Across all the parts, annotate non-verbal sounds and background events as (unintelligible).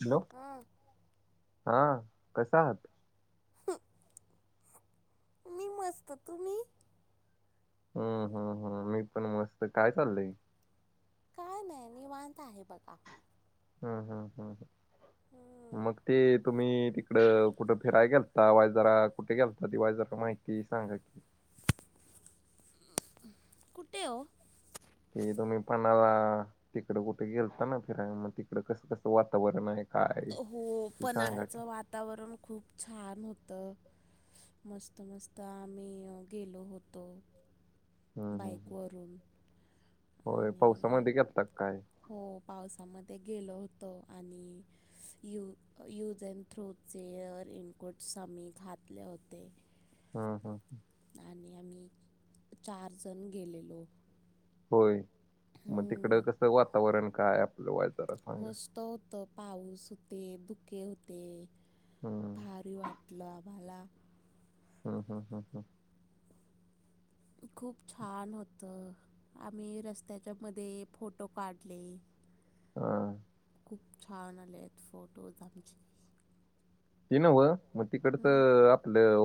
Hello हा हा कस आहात. मी मस्त तुम्ही हम्म हम् हम मी पण मस्त काय चाललंय काय नाही निवांत आहे बघा हम्म हम्म हम् हम्म. मग ते तुम्ही तिकड कुठं फिरायला गेलता वायस जरा कुठे गेलता ती वायस जरा माहिती सांगा की कुटे वो ते तुम्ही पन्हाळा तिकडं कुठे गेलता ना फिरायला मग तिकड कसं कसं वातावरण आहे काय आहे, हो ते सांगा पन्हाळाच की वातावरण खूप छान होतं. मस्त मस्त आम्ही गेलो होतो. हम्म हम्म बाईक हम्म. वरून होय आणि पावसामध्ये गेलता का काय हो पावसामध्ये गेल होत आणि यू यूज अँड थ्रो चे रेनकोटस आम्ही घातले होते. हम् हम ह आणि आम्ही चार जण गेलेलो. होय मग तिकड हम्म. कसं वातावरण काय आपलं वाइस जरा सांगा मस्त होत पाऊस होते धुके होते हम्म भारी वाट कलावाला (unintelligible) हम हम हम् हं. खूप छान होत आम्ही रस्त्याच्या मध्ये फोटो काढले. हम खूप छान आले आहेत फोटोज आमचे ते नव्ह मग हम्म. तिकडचं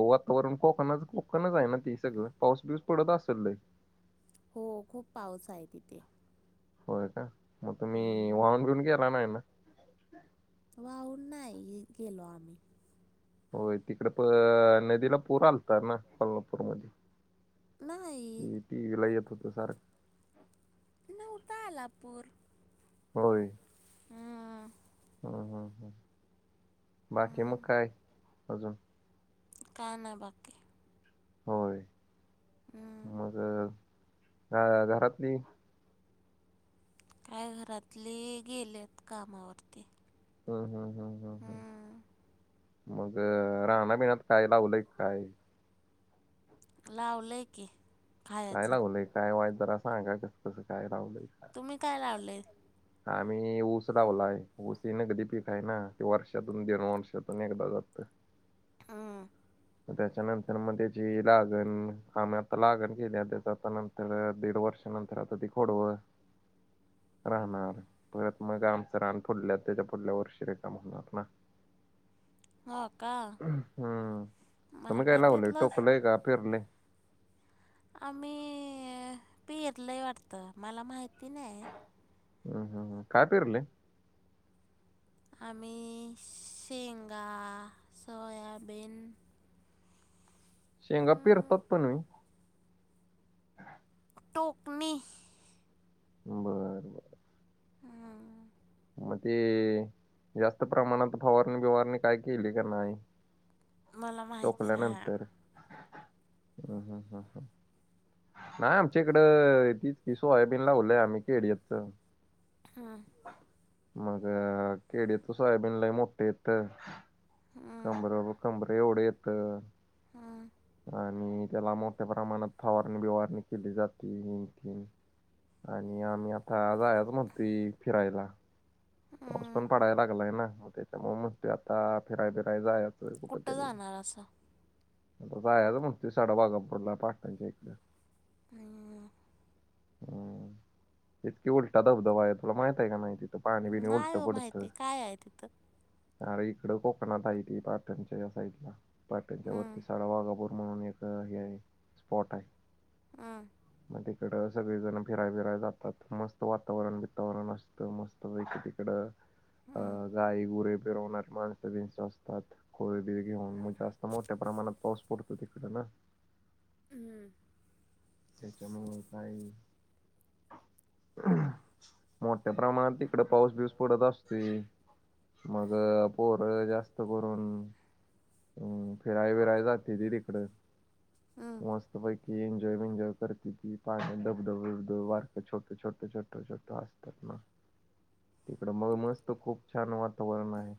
वातावरण कोकणच कोकणच आहे ना ते सगळं पाऊस बिऊस पडत असेल लय. हो खूप पाऊस आहे तिथे होय का मग तुम्ही हम्म. वाहून बिऊन गेला नाही ना वाहून नाही गेलो आम्ही, होय तिकडे प नदीला पूर आलतात ना कोल्हापूरमध्ये नाही. टी व्ही ला येत होतं सारखं नव्हता आला पूर. होय. हम् बाकी मग हम्म. काय अजून काय नाही बाकी होय हम्म. मग घरातली काय घरातले गेलेत कामावरती हम्म हम्म हम् हम् हम् हम्म. मग रानाबिनात काय लावलंय काय. लावलय की. काय खायचं लागलंय काय वायट जरा असं काय कस कसं काय लावलंय. तुम्ही काय लावलेय? आम्ही ऊस लावलाय ऊस न कधी पीिकाय ना ते वर्षातून दन वर्षातून एकदा जात हा. त्याच्यानंतर मग त्याची लागण आम्ही आता लागण केली त्याच्या आ नंत तर दीड वर्षानंतर आता ती खोडव राहणार परत मग आमचं राहन फुढल्या त्याच्या पुढल्या वर्षी रेकााम होणार ना. हो का हम्म. मला तुम्ही काय लावलंय त्यातलंच टोकलंय का फिरले. आम्ही पिरलंही वाटत मला माहिती नाही. हम्म हम् हम् कायपरले- आमही शेंगा, सोयाबीन शेंगा पिरतात पणही टोकणे. बरं बरं. हा. मग ते जास्त प्रमाणात फवारणी बिवारणी काय केली का नाही. मला माहिती नाही टोकल्यानंतर हम् हम् हम् ह. नाही आमच्या इकडं तीच कि सोयाबीन लावलंय आम्ही केडयतच. हा. मग केडे तू सायबीनला मोठे इथ कमर. खंबरे एवढे येत आणि त्याला मोठ प्रमाणात फवारणी बिवारणी केली जाते ह ति आणि आम्ही आता जायाच मग त फिरायला पाऊस हम्म, पण पडाय लागलाय ना मग त्याच्यामुळे मस् ते आता फिराय बिराय जाय कुठं कुठरी? जाणार असं आ जा आहे म्हण त साडा बाघापुरला पाटणच्या क आणि हम् इतकी उलटा धबधबा आहे तुोला माहित आहे का नाही तिथं पाणी बिणी नाही उलटं हो पडतं. माहिती काय आहे तिथं? अरे इकड कोकणात आहे ती पाटणच्या या साईड ला पाटणच्या हम्म, वरती साड वागापर म्हणून एक हे स्पॉट आहे. हा. तिकड सगळेजण फिराय बिराय जातात मस्त वातावरण वितावरण असतं मस्त व इकड अ हम्म, गाय गुर पेर होणार माणस असतात खोळी बि घेऊन मग जास्त मोठ्या प्रमाणात पाऊस पडतो तिकडे ना. हम्म. त्याच्यामुळे काही मोठ्या प्रमाणात इकडे पाऊस बीऊस पडत असते मग पोर जास्त करून हम्म फिराय विराय झाते ती तिकड हम्म. मस्त पई क जय विंजय करते ती पाणी डबधबबडं वारक छोट छोटं छोट छोट असतात मग तिकडं मग मस्त खूप छान वातावरण आहे.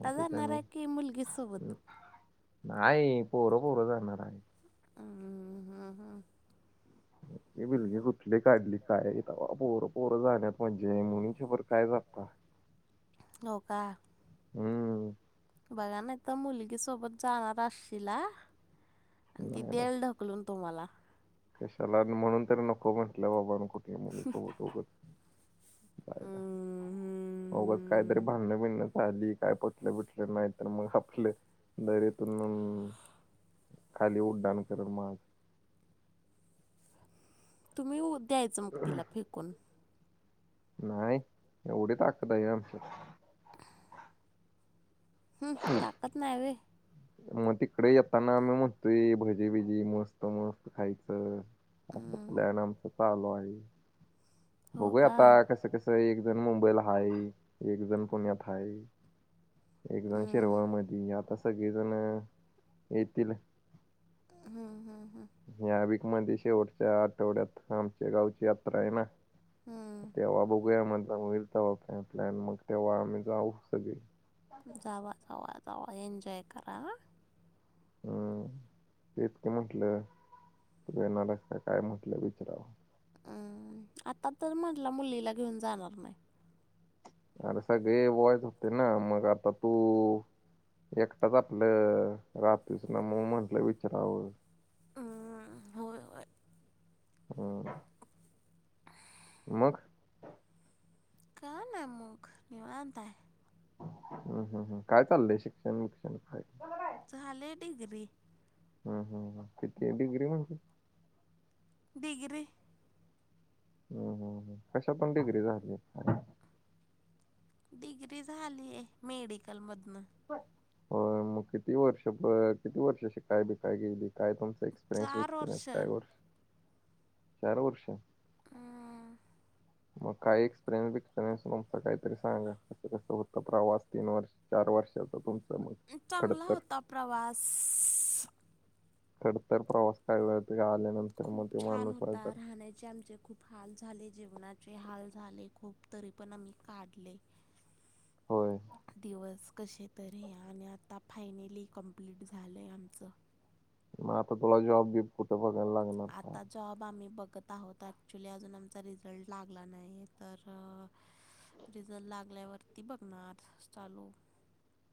मग जाणार ठिकाणी आहे की मुलगी सोबत नाही पोहरं पोहरं जाणार आहे. हम हा हा. बिलगी कुठली काढली कायता पोरं पोरं झाल्या म्हणजे मु शबर काय जातत नका. हम्म. बघा ना तर मुलगी सोबत जाणार असशील ह आणि ती नाही नाही देलढक उकलून तुम्हाला कशाला आणि म्हणून तरी नको म्हटलं बाबा कुठ तेमुळे सबतघच बायला मगच कायतरी हम्म. भांडणं बिंणं चाली काय पटलं बिटलं नाही तर मग आपलं दरीतून खाली उड्डाण करण माग तुम्ही द्यायचं मग तिला फेकून नाही एवढी ताकद आहे आमच्या (inaudible) हम् आमच्यात ताकद नाही वे मग तिकडे येताना आमही म्हणतोय भजीबिजी मस्त मस्त खायचं तले नमतालो हो बगय का आता कसे कसे एक जण मुंबईल हाय एक जण पुण्यात हाय एक जण हं, हं, शिरवळ म आता सगळेजण येतील हा हा हा ह्या वीक मध्ये शेवटच्या आठवड्यात आमच्या गावची यात्रा आहे ना हं. तेव्हा बघूयाम मिरत बा आप प्लन मग तेव्हा आम्ही जाऊ सगळे जावावा वा वा एनजॉय करा ह हम्म ते इतके म्हंटलं तू येणारस का काय म्हटलं विचारावं अम्म आता तर म्हटलं मुलीला घेऊन जाणार नाही अरे सगळे वॉयच होते ना मग आता तू एकटाच आपलं रात्रीच ना म म्हटलं विचारावं ह् होय होय हम मग का ना आहे मग निवाता आहे हम् हम् हम काय चाललंय शिक्षण विक्षणय झालले डीिग्री हम हम तिती िग्रि म्हण डिग्री हम्म हम्् कशा पण डिग्री झाली डिग्री झालीय मेडिकलमधन हो मग किती वर्ष किती वर्ष शिकाय ब कााय गेली काय तुम एक्सपिरियस चार वेक्सपरियन्स वर्ष काय वर्ष चार वर्ष ह मग का एक्सपिरियन्स बसपिरियनसुम काहीरी सांगा कस होत प्रवास तीन वर्ष चार वर्षाचा तुम चांगला होतां प्रवास डत प्रोवासा का काल खूप छान होता राहण्याचे आमचे खूप हाल झाले जीवनाचे हाल झाले खूप तरी पण आम्ही काढले होय दिवस कसे तरी आणि आता फायनली कम्प्लीट झालंय आमचं मग आता तुला जॉब बीब कुठे बघायला लागणार काय आता जॉब आम्ही बघत आहोत ॲक्च्युली अजून आमचा रिझल्ट लागला नाही तर रिझल्ट लागल्यावरती बघणार चालू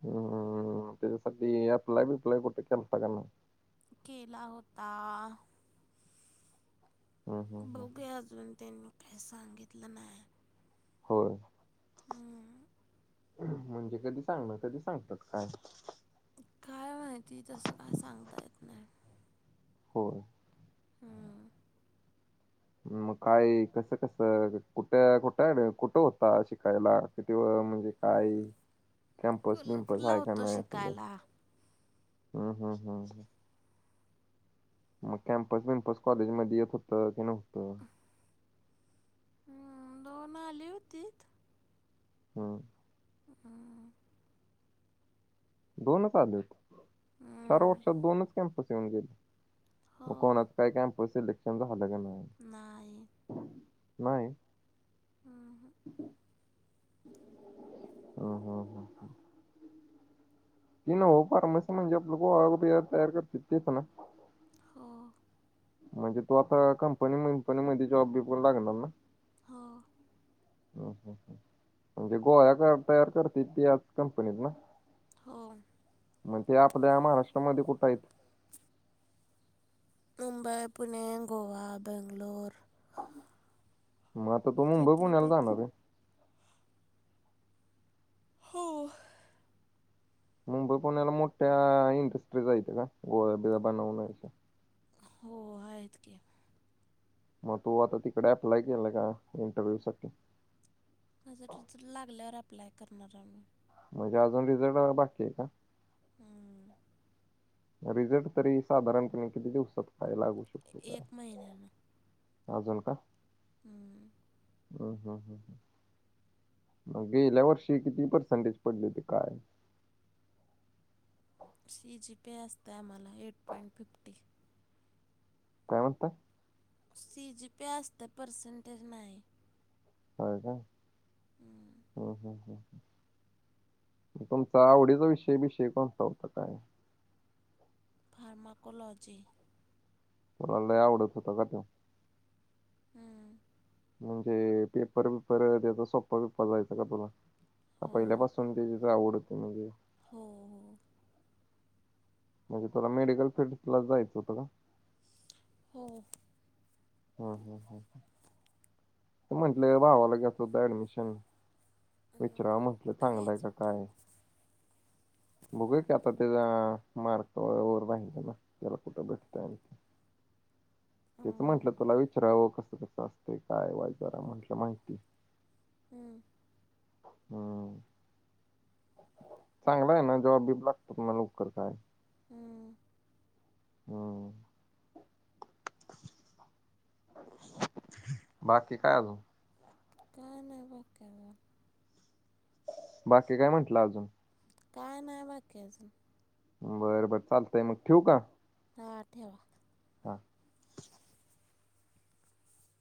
हम्म त्याच्यासाठी अप्लाय बिप्लाय कुठे केलाता काना केला होता हम्म हम्म हम्म बघघे अजून त्यांनी काही सांगितलं नाही हो हां म्हणजे कधी सांगणार कधी सांगतात काय? काय माहिती तसं काय सांगता येत नाय. होय. हम्म मग काय कस कसं कुटं कुटं आला कुटं होता शिकायला? सिटीव म्हणजे काय? कॅम्पस बिम्पस कोल्हापूरला हाय का होतो नाय आपलं शिकायला हम्म हम्म हम्म हम्म म कॅम्पस बिम्पस कॉलेजमध्ये येत होतं की नव्हतं. हम्म दोन आली होतीत. हूं अ दोनच आलेत चार हम्म. वर्षात दोनच कॅम्पस येऊन गेले. म हो कोणाचं काय कॅम्पस सिलेक्शन झालं का नाय? नाई. नाय. हम्म, हूं हूं ही नवं फार्मसी म्हणजे गोळ्या बिल्या तयार करतेत तिच ना हो. म्हणजे तू आता कंपनी मींपनी मध्ये जॉब बिप वर लागणार ना. हा. हं हं म्हणजे गोळ्या गो तयार करतेत त्याच कंपनीत ना. हो. म ते आपल्या महाराष्ट्रामध्ये कुठं हाईत? मुंबई, पुणे, गोवा, बेंगलोर म आता तू मुंबई पुण्याला छत्रपती जाणार व्हय. हो. मुंबई पुण्याला मोठ्या इंडस्ट्रीज आहेत का गोळ्या बिळ्या बनवण्याच्या हो आहेत की, म तू आता तिकडे अप्लाय केला का इंटरव्ह्यू साठी. माझं रिझल्ट लागल्यावर अप्लाय करणार आमी म्हणजे अजून रिझल्ट बाकी ये का? हम्म रिझल्ट तरी साधारणपणे किती दिवसात काय लागू शक एक महिन्यान अजून का? हम्म हं हं हं हं म गेल्या वर्षी किती पर्सेंटेज पडले होते काय? सी जी पे असतय आम्हाला एट पॉईंट फिफ्टी काय म्हणता सी जी पी असते पर्सेंटेज नाही. होय का हम्म. हं हं हं म तुमचा आवडीचा विषय बिषय कोणत होता काय? फार्माकोलॉजी तुम्हाला लय आवडत होता का तो हं म्हणजे पेपर बिपर त्याचा सोप्पा बिप्पा जायचा का तुला? हो पहिल्यापासून त्याजीच आवड होती म्हणजे हो हो. मग तुला मेडिकल फील्ड ला जायचं होत का? हो. हं हं हं. म्हटलं भावाला घ्यायचं होत ऍडमिशन? विचरवा हम्म. म्हटलं कुठं चांगलंय हाय घ्यायचं का होतं काय? बघूया की आता त्याचा मार्कावर बाहेर त्याला कुठं भेटतंय आण तेच हम्म. म्हटलं तुला विचारावं कसं कसं असत काय जरा म्हंटलं माहिती. हम्म. हम्म. चांगला आहे ना जॉबबीब लागतो तुमाला लवकर काय? हम्म. हम्म. बाकी काय आजु काय नाही बा आता बाकी काय म्हंटलं अजून? काय नाय बाकी अजून? बरं बरं चालतंय मग ठिव व का? हा ठेवा. हा.